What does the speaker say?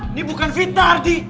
ini bukan fitnah ardi